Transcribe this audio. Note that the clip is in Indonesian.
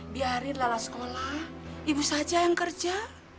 biarin lala sekolah ibu saja yang kerja